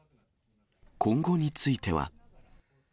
今後については。